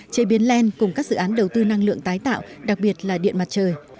chế biến len cùng các dự án đầu tư năng lượng tái tạo đặc biệt là điện mặt trời